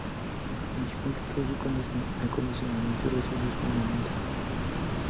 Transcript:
Allí completó su acondicionamiento y recibió su armamento.